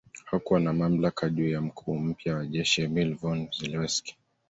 Hakuwa na mamlaka juu ya mkuu mpya wa jeshi Emil Von Zelewski